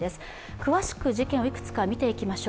詳しく事件をいくつか見ていきましょう。